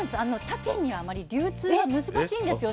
他県にはあまり流通が難しいんですよ。